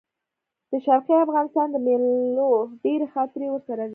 د شرقي افغانستان د مېلو ډېرې خاطرې ورسره وې.